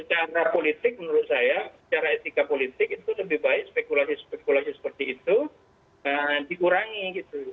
secara politik menurut saya secara etika politik itu lebih baik spekulasi spekulasi seperti itu dikurangi gitu